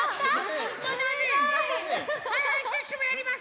はいはいシュッシュもやります。